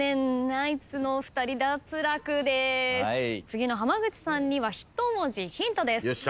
次の浜口さんには一文字ヒントです。